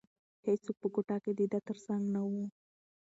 هیڅوک په کوټه کې د ده تر څنګ نه وو.